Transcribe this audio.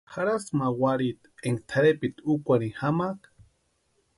¿Jarhasïnki ma warhiti énka tʼarhepiti úkwarhini jamaaka?